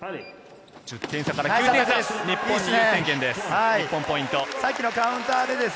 １０点差から９点差です。